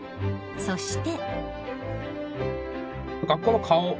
そして。